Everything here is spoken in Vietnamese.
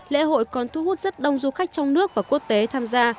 được con thu hút rất đông du khách trong nước và quốc tế tham gia